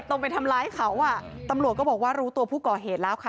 ไปทำร้ายเขาอ่ะตำรวจก็บอกว่ารู้ตัวผู้ก่อเหตุแล้วค่ะ